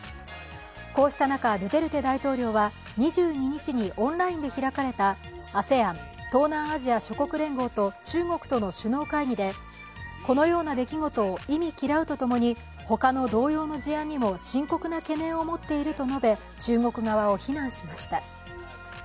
こうした中ドゥテルテ大統領は２２日にオンラインで開かれたＡＳＥＡＮ＝東南アジア諸国連合と中国との首脳会議でこのような出来事を忌み嫌うとともに他の同様の事案にも深刻な懸念を持っていると述べ中国側を非難しました。